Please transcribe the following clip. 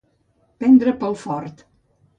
Prendre pel fort.